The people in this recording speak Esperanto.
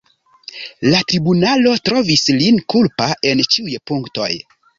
La tribunalo trovis lin kulpa en ĉiuj punktoj.